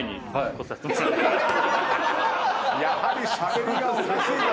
やはりしゃべりがおかしいぞ！